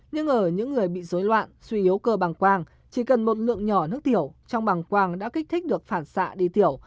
nhưng ở những người bị dối loạn suy yếu cơ bằng quang chỉ cần một lượng nhỏ nước tiểu trong bằng quang đã kích thích được phản xạ đi tiểu